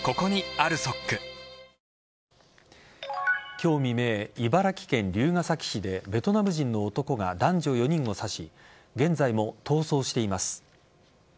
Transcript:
今日未明、茨城県龍ケ崎市でベトナム人の男が男女４人を刺し現在も逃走しています。